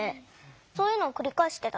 そういうのをくりかえしてた。